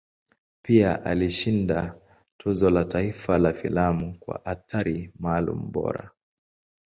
Pia alishinda Tuzo la Taifa la Filamu kwa Athari Maalum Bora.